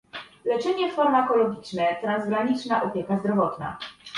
Leczenie farmakologiczne - transgraniczna opieka zdrowotna